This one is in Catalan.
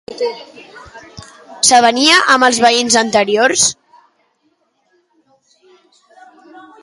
S'avenia amb els veïns anteriors?